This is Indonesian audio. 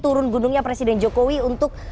turun gunungnya presiden jokowi untuk